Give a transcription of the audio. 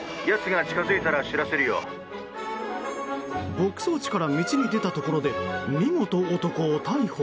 牧草地から道に出たところで見事、男を逮捕。